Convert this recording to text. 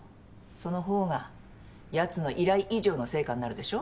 そのほうがやつの依頼以上の成果になるでしょ。